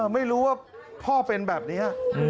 ไม่รู้ว่าพ่อเป็นแบบนี้